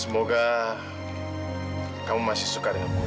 semoga kamu masih suka dengan bu